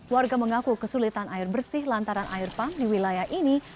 warga mengaku kesulitan air bersih lantaran air pump di wilayah ini